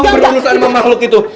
ih gue berusaha sama makhluk itu